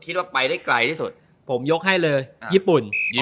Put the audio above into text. คิดว่าไปได้ไกลที่สุดผมยกให้เลยญี่ปุ่น